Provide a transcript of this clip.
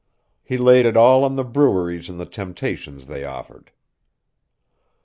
He laid it all on the breweries and the temptations they offered.